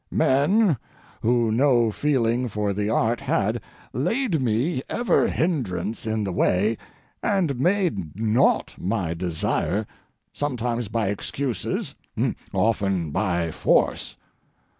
Men, who no feeling for the art had, laid me ever hindrance in the way and made naught my desire—sometimes by excuses, often by force.